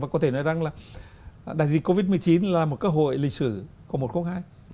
và có thể nói rằng là đại dịch covid một mươi chín là một cơ hội lịch sử của một quốc hai